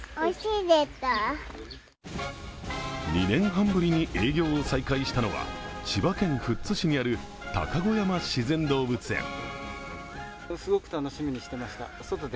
２年半ぶりに営業を再開したのは千葉県富津市にある高宕山自然動物園。